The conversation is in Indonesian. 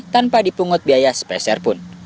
tanpa dipungut biaya speser pun